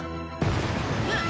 えっ？